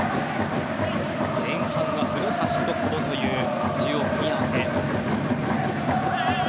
前半は古橋と久保という中央の組み合わせでした。